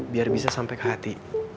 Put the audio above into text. biar bisa sampai ke hati